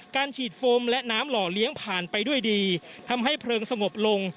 การฉีดโฟมและน้ำหล่อเลี้ยงผ่านไปด้วยดีทำให้เพลิงสงบลง